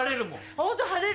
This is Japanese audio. ホント晴れる。